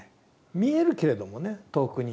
見えるけれどもね遠くに。